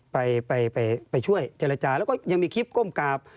ไปช่วยเจรจารกรรมแล้วก็ยังมีคลิปก้มกาป